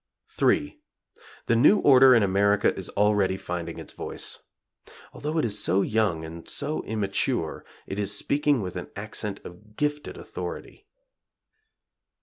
3. The new order in America is already finding its voice. Although it is so young, and so immature, it is speaking with an accent of gifted authority.